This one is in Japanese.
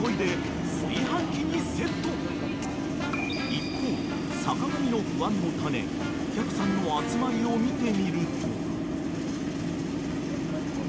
［一方坂上の不安の種お客さんの集まりを見てみると］